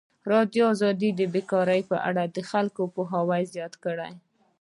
ازادي راډیو د بیکاري په اړه د خلکو پوهاوی زیات کړی.